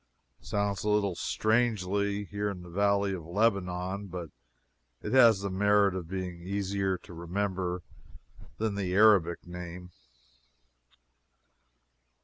It sounds a little strangely, here in the Valley of Lebanon, but it has the merit of being easier to remember than the Arabic name.